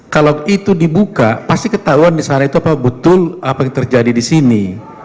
kalau itu dibuka pasti ketahuan di sana itu apa betul apa yang terjadi di sini